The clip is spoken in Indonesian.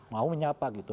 mau menyapa gitu